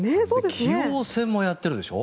棋王戦もやってるでしょ。